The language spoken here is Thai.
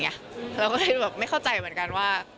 เราก็เลยแบบไม่เข้าใจเหมือนกันว่า